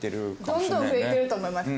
どんどん増えてると思います。